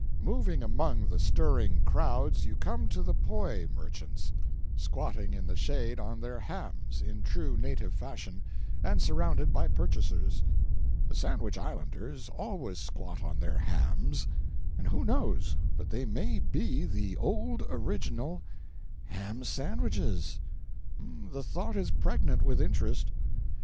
Moving among the stirring crowds, you come to the poi merchants, squatting in the shade on their hams, in true native fashion, and surrounded by purchasers. (The Sandwich Islanders always squat on their hams, and who knows but they may be the old original "ham sandwiches?" The thought is pregnant with interest.)